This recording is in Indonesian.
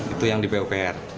itu yang di pupr